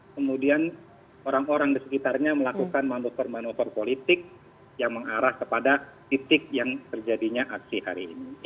kemudian orang orang di sekitarnya melakukan manuver manuver politik yang mengarah kepada titik yang terjadinya aksi hari ini